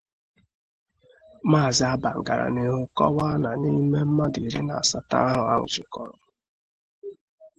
Maazị Abang gara n'ihu kọwaa na n'ime mmadụ iri na asatọ ahụ a nwụchikọrọ